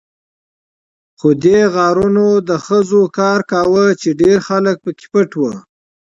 خو دې غارونو د خزو کار کاوه، چې ډېر خلک پکې پټ وو.